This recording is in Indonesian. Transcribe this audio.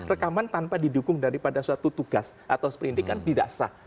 rekaman tanpa didukung daripada suatu tugas atau seperindik kan tidak sah